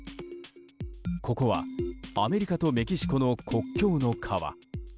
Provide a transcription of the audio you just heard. ここはアメリカとメキシコの国境の川。